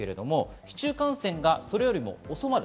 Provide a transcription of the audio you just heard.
市中感染がそれより遅まる